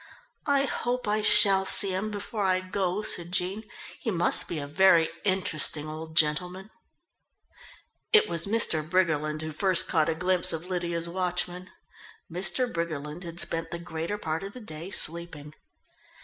"I hope I shall see him before I go," said Jean. "He must be a very interesting old gentleman." It was Mr. Briggerland who first caught a glimpse of Lydia's watchman. Mr. Briggerland had spent the greater part of the day sleeping.